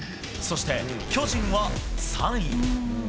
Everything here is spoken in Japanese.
そして、巨人は３位。